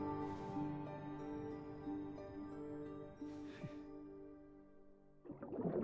フッ。